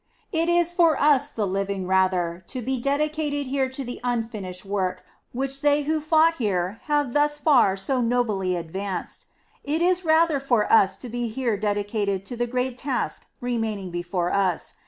It is for us the living, rather, to be dedicated here to the unfinished work which they who fought here have thus far so nobly advanced. It is rather for us to be here dedicated to the great task remaining before us.